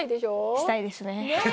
したいですね。